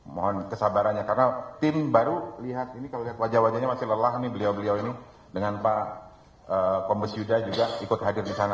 mohon kesabarannya karena tim baru lihat ini kalau lihat wajah wajahnya masih lelah nih beliau beliau ini dengan pak kombes yuda juga ikut hadir di sana